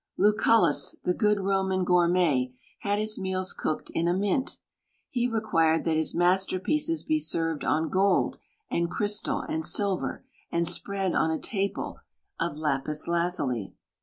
Luciillus; the good Roman goitriiietj had his rneals cooked in a mint. He required that his masterpieces be served 6n gold and silver arid fcfystal, and spread on a table of lapis lazuli.